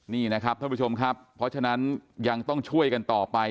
นี่นะครับท่านผู้ชมครับเพราะฉะนั้นยังต้องช่วยกันต่อไป